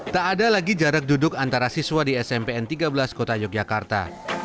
tak ada lagi jarak duduk antara siswa di smpn tiga belas kota yogyakarta